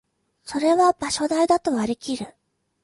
それは場所代だと割りきる